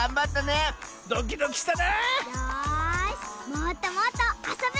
もっともっとあそぶ。